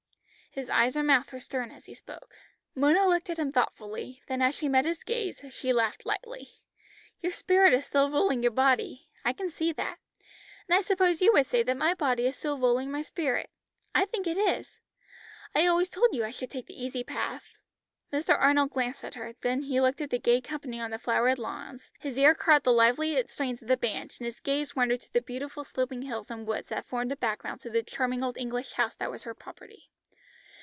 His eyes and mouth were stern as he spoke. Mona looked at him thoughtfully, then as she met his gaze, she laughed lightly. "Your spirit is still ruling your body. I can see that. And I suppose you would say that my body is still ruling my spirit. I think it is. I always told you I should take the easy path." Mr. Arnold glanced at her, then he looked at the gay company on the flowered lawns, his ear caught the lively strains of the band, and his gaze wandered to the beautiful sloping hills and woods that formed a background to the charming old English house that was her property.